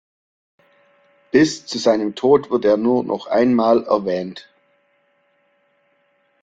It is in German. Bis zu seinem Tod wird er nur noch einmal erwähnt.